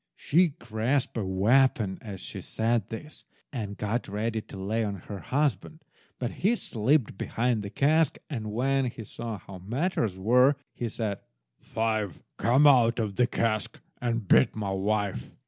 She grasped a weapon as she said this, and got ready to lay on her husband, but he slipped behind the cask, and when he saw how matters were, he said— "Five, come out of the cask and beat my wife!"